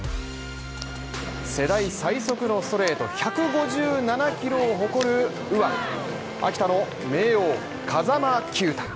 世代最速のストレート１５７キロを誇る右腕秋田の明桜・風間球打。